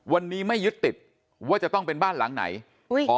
วันนี้ไม่ยึดติดว่าจะต้องเป็นบ้านหลังไหนอุ้ย